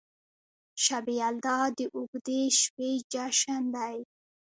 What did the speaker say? شب یلدا د اوږدې شپې جشن دی.